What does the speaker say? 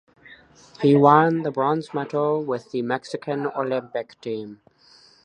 He won the bronze medal with the Mexican Olympic team.